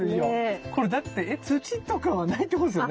これだって土とかはないってことですよね？